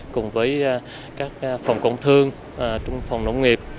cùng với các phòng cộng thương phòng nông nghiệp